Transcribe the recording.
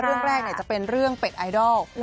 เรื่องแรกจะเป็นเรื่องเป็ดไอดอล